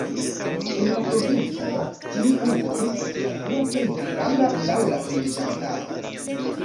En la provinco tiu urbo estas la dua plej granda laŭ la loĝantaro.